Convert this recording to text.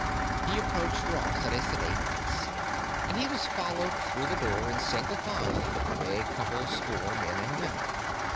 He approached Ross at a sedate pace, and he was followed through the door in single file by a couple score men and women.